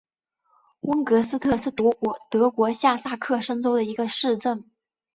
温格斯特是德国下萨克森州的一个市镇。